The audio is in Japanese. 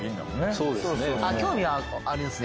そうですね